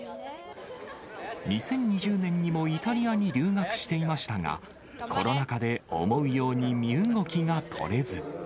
２０２０年にもイタリアに留学していましたが、コロナ禍で思うように身動きが取れず。